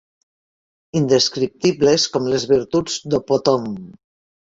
Indescriptibles com les virtuts d'Opòton.